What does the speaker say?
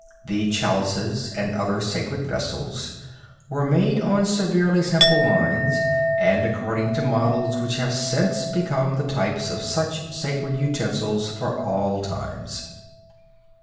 The chalices and other sacred vessels were made on severely simple lines and according to models which have since become the types of such sacred utensils for all times.